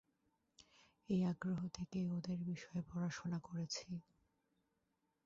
এই আগ্রহ থেকেই ওদের বিষয়ে পড়াশোনা করেছি।